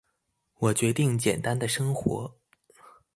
我決定簡單的生活